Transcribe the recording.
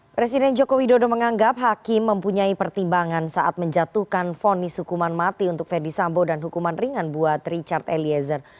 presiden joko widodo menganggap hakim mempunyai pertimbangan saat menjatuhkan fonis hukuman mati untuk ferdisambo dan hukuman ringan buat richard eliezer